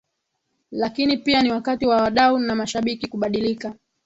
Lakini pia Ni wakati wa wadau na mashabiki kubadilika